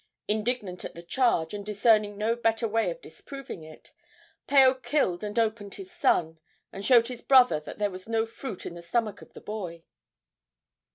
Indignant at the charge, and discerning no better way of disproving it, Paao killed and opened his son, and showed his brother that there was no fruit in the stomach of the boy.